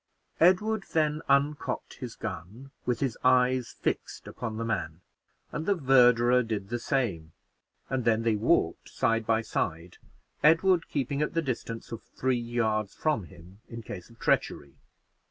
Edward then uncocked his gun, with his eyes fixed upon the man, and the verderer did the same: and then they walked side by side, Edward keeping at the distance of three yards from him, in case of treachery.